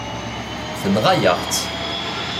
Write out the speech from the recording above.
Tenɣa-yaɣ-tt.